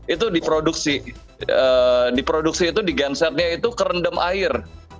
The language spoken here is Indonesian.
itu diproduksi diproduksi itu di gensetnya itu kerendam air